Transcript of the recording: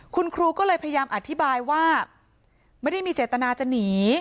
คุณครูก็เลยพยายามอธิบายว่าไม่ได้มีเจตนาจะหนี